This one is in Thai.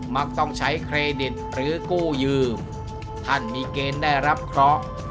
มักต้องใช้เครดิตหรือกู้ยืมท่านมีเกณฑ์ได้รับเคราะห์